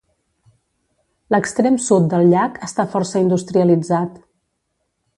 L'extrem sud del llac està força industrialitzat.